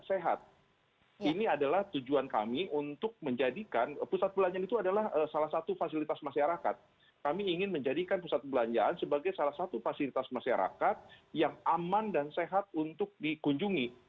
sebagai salah satu fasilitas masyarakat yang aman dan sehat untuk dikunjungi